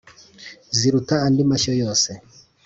Ziruta andi mashyo yose.